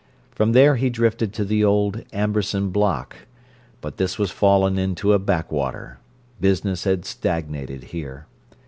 From there he drifted to the old "Amberson Block," but this was fallen into a back water; business had stagnated here.